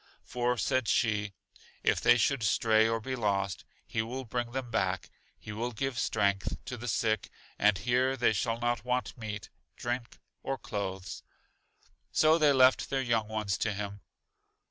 For, said she, if they should stray or be lost, He will bring them back; He will give strength, to the sick, and here they shall not want meat, drink, or clothes. So they left their young ones to Him.